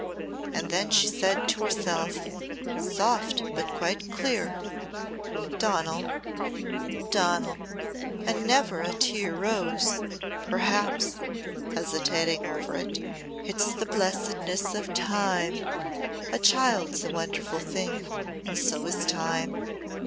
And then she said to herself, soft but quite clear, 'Donal, Donal!' And never a tear rose. Perhaps," hesitating over it, "it's the blessedness of time. A child's a wonderful thing and so is time.